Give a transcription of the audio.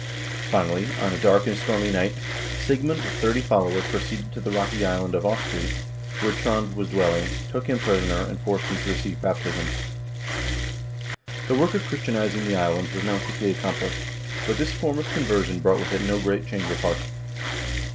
Finally, on a dark and stormy night, Sigmund with thirty followers proceeded to the rocky island of Austrey, where Trond was dwelling, took him prisoner, and forced him to receive baptism. The work of Christianizing the islands was now quickly accom plished, but this form of conversion brought with it no great change of heart.